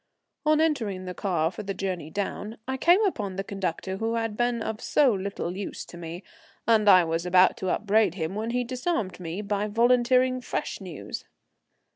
On entering the car for the journey down I came upon the conductor who had been of so little use to me, and I was about to upbraid him when he disarmed me by volunteering fresh news.